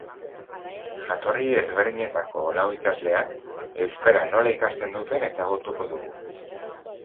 Jatorri ezberdinetako lau ikasleak euskara nola ikasten duten ezagutuko dugu.